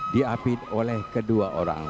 diapit oleh kedua orang